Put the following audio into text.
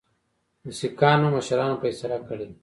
د سیکهانو مشرانو فیصله کړې ده.